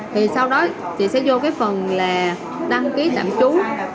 thì sau đó chị sẽ vô cái phần là đăng ký tạm trú